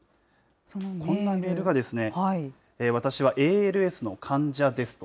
こんなメールが、私はＡＬＳの患者ですと。